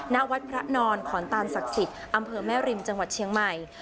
ณวัดพระนอนขอนตานศักดิ์สิทธิ์อำเภอแม่ริมจังหวัดเชียงใหม่